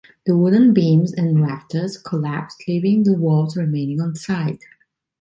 The wooden beams and rafters collapsed, leaving the walls remaining on site.